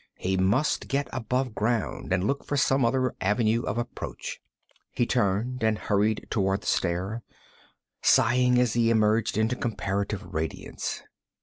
He must get above ground and look for some other avenue of approach. He turned and hurried toward the stair, sighing as he emerged into comparative radiance.